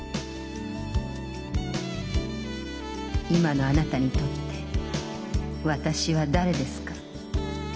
「今のあなたにとって私は誰ですか？